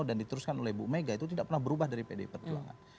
dan diteruskan oleh bung mega itu tidak pernah berubah dari pdi perjuangan